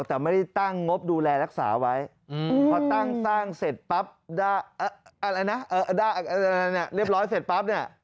แต่ไม่ได้ตั้งงบดูแลรักษาไว้พอตั้งสร้างเสร็จปั๊บเรียบร้อยเสร็จปั๊บเนี่ย